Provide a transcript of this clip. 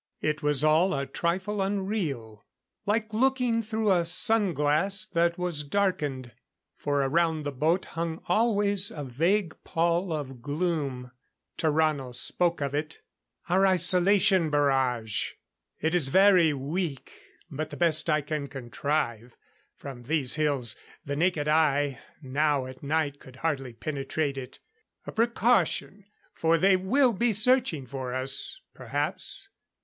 It was all a trifle unreal like looking through a sunglass that was darkened for around the boat hung always a vague pall of gloom. Tarrano spoke of it. "Our isolation barrage. It is very weak, but the best I can contrive. From these hills the naked eye, now at night could hardly penetrate it.... A precaution, for they will be searching for us perhaps....